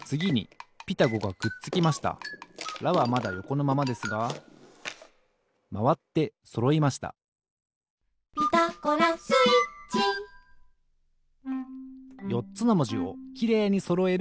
「ラ」はまだよこのままですがまわってそろいました「ピタゴラスイッチ」よっつのもじをきれいにそろえる